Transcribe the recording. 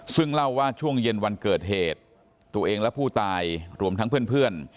ซึ่งเล่าว่าช่วงเย็นวันเกิดเหตุตัวเองและผู้ตายรวมทั้งเพื่อน